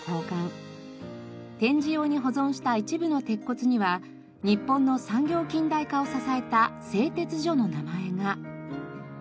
展示用に保存した一部の鉄骨には日本の産業近代化を支えた製鉄所の名前が。